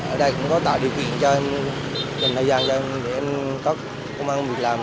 ở đây cũng có tạo điều kiện cho em gần thời gian để em có công an việc làm